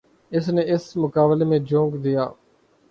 اس نے اس مقابلے میں جھونک دیا۔